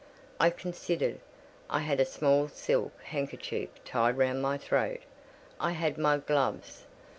I considered. I had a small silk handkerchief tied round my throat; I had my gloves.